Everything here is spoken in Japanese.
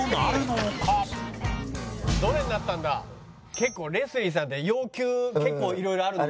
結構レスリーさんって要求結構色々あるので。